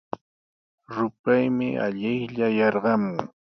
Rupaymi allaqlla yarqamun.